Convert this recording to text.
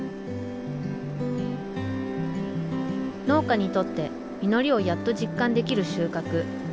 農家にとって実りをやっと実感できる収穫。